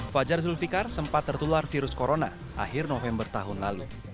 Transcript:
fajar zulfikar sempat tertular virus corona akhir november tahun lalu